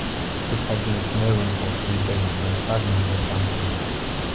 It had been snowing for three days when suddenly the sun came out.